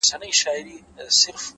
هر انسان د الهام سرچینه کېدای شي’